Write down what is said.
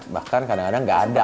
bahkan kadang kadang nggak ada